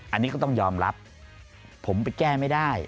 อันนี้ก็ต้องยอมรับผมไปแก้ไม่ได้